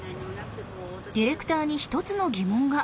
ディレクターに一つの疑問が。